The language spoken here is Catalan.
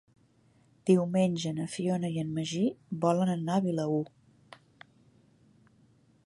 Diumenge na Fiona i en Magí volen anar a Vilaür.